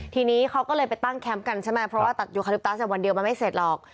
ทีนี้เขาก็เลยไปตั้งแคมป์กันใช่ไหมเพราะว่าตัดโยคาลิปตัสวันเดียวมันไม่เสร็จหรอก